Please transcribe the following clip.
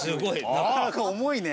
なかなか重いね。